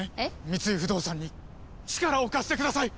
三井不動産に力を貸してください！